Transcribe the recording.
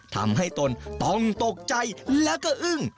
ทำให้ตนต้องตกใจและก็อึ้ง